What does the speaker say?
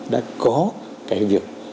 đã có cái việc